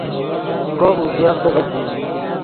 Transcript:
کوپ اوزیڤدغت ڤی